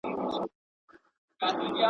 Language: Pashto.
o څه لاس تر منځ، څه غر تر منځ.